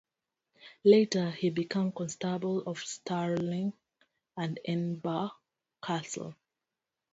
Later he became Constable of Stirling and Edinburgh castles.